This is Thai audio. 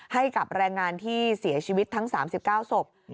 ให้กับแรงงานที่เสียชีวิตทั้ง๓๙ศพ